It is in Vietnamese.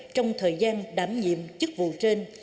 trong thời gian đảm nhiệm chức vụ trên